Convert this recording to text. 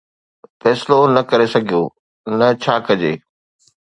فيصلو نه ڪري سگهيو ته ڇا ڪجي.